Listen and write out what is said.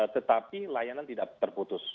tetapi layanan tidak terputus